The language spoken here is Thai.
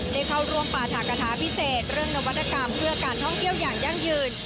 ได้เข้าร่วมปราถากฐาพิเศษเรื่องนวัตกรรมเพื่อการท่องเที่ยวอย่างยั่งยืน